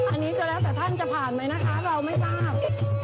อันนี้ก็แล้วแต่ท่านจะผ่านไหมนะคะเราไม่ทราบ